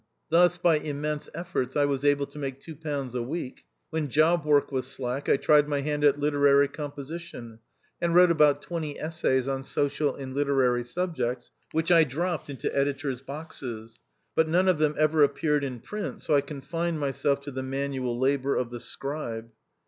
Thus, by immense efforts, I was able to make two pounds a week. When job work was slack, I tried my hand at literary composition, and wrote about twenty essays on social and literary subjects, which I dropped into Editor's boxes ; but none of them ever appeared in print, so I confined myself to the manual labour of the scribe.